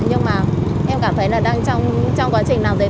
nhưng mà em cảm thấy là đang trong